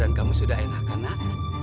enggak saya yang kekenyangan